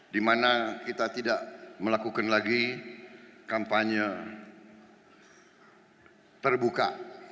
dimana kita tidak melakukan lagi kampanye terbuka